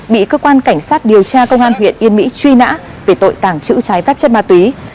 bị cơ quan cảnh sát điều tra công an huyện yên mỹ truy nã về tội tàng trữ trái phép chất ma túy